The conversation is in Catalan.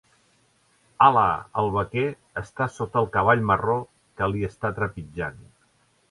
Hala! El vaquer està sota el cavall marró que li està trepitjant.